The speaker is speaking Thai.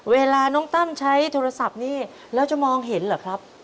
เวลาน้องตั้มใช้โทรศัพท์นี้แล้วจะมองเห็นเหรอครับ